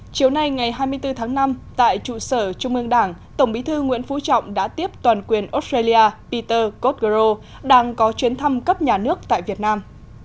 chiều nay ngày hai mươi bốn tháng năm tại trụ sở trung ương đảng tổng bí thư nguyễn phú trọng đã tiếp toàn quyền australia peter cotgro đang có chuyến thăm cấp nhà nước tại việt nam